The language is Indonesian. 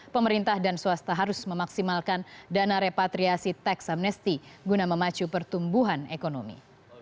pemerintah dan swasta harus memaksimalkan dana repatriasi teks amnesti guna memacu pertumbuhan ekonomi